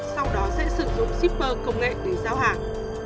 sau đó sẽ sử dụng shipper công nghệ để giao hàng